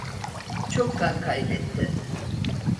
Çok kan kaybetti.